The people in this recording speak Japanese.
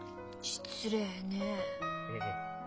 失礼ね。